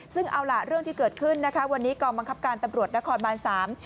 ซึ่งเอาล่ะเรื่องที่เกิดขึ้นนะคะวันนี้กองบังคับการตำรวจนครบานสาม